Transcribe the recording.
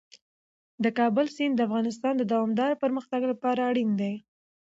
د کابل سیند د افغانستان د دوامداره پرمختګ لپاره اړین دی.